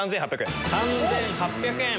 ３８００円。